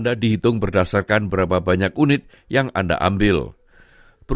atau mengikuti kursus bridging di australia